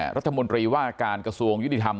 คุณผู้ชมมนตรีว่าการกระทรวงยุดิธรรม